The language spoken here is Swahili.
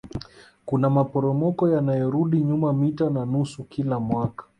Kuna maporomoko yanayorudi nyuma mita na nusu kila mwaka